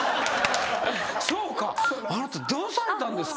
そうか「あなたどうされたんですか」